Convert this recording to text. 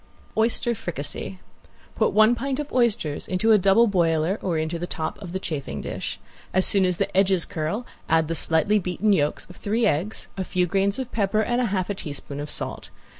~OYSTER FRICASSE~ Put one pint of oysters into a double boiler or into the top of the chafing dish. As soon as the edges curl add the slightly beaten yolks of three eggs, a few grains of pepper and half a teaspoon of salt.